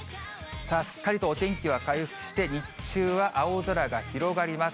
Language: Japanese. すっかりとお天気は回復して、日中は青空が広がります。